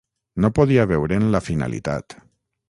No podia veure'n la finalitat.